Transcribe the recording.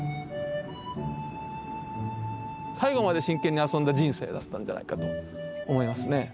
最後まで真剣に遊んだ人生だったんじゃないかと思いますね。